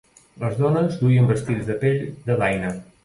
Les dones duien vestits de pell de daina.